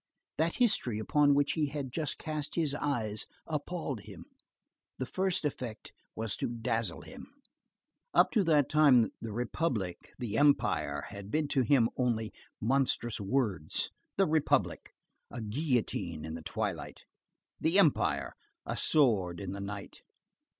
That history upon which he had just cast his eyes appalled him. The first effect was to dazzle him. Up to that time, the Republic, the Empire, had been to him only monstrous words. The Republic, a guillotine in the twilight; the Empire, a sword in the night.